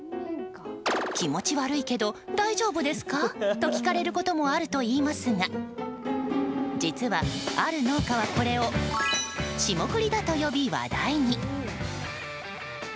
気持ち悪いけど大丈夫ですか？と聞かれることもあるといいますが実は、ある農家はこれを霜降りだと呼び話題に。